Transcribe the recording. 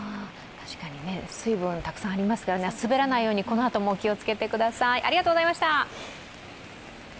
水分、たくさんありますからね、滑らないようにこのあとも気をつけてください。